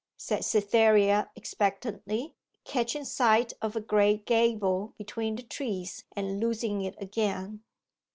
said Cytherea expectantly, catching sight of a grey gable between the trees, and losing it again.